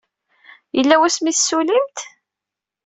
Yella wasmi ay tessullimt?